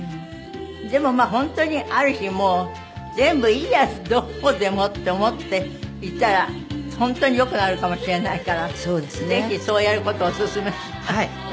でもまあ本当にある日もう全部いいやどうでもって思っていたら本当に良くなるかもしれないから。